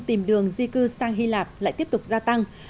tìm đường di cư sang hy lạp lại tiếp tục gia tăng